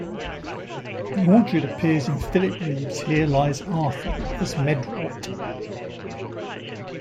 Mordred appears in Philip Reeve's Here Lies Arthur, as Medrawt.